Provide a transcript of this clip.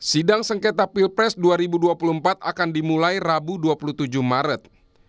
sidang sengketa pilpres dua ribu dua puluh empat akan dimulai rabu dua puluh tujuh maret